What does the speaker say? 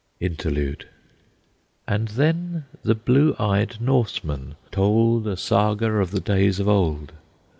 INTERLUDE. And then the blue eyed Norseman told A Saga of the days of old.